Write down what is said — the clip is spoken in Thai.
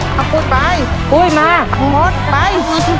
ถ้าปุ้ยไปปุ้ยมาคุณมดไป